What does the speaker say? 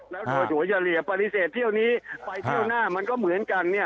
แล้วโดยถั่วเฉลี่ยปฏิเสธเที่ยวนี้ไปเที่ยวหน้ามันก็เหมือนกันเนี่ย